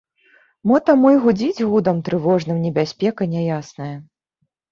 Мо таму й гудзіць гудам трывожным небяспека няясная?